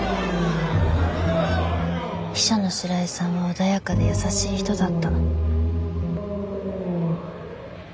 秘書の白井さんは穏やかで優しい人だった。